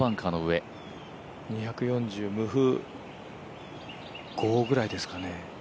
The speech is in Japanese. ２４０、無風、５ぐらいですかね。